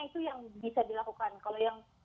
itu yang bisa dilakukan kalau yang